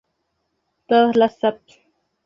Todas las spp.